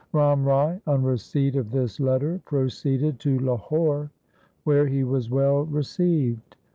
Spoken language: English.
Ram Rai on receipt of this letter proceeded to Lahore where he was well received.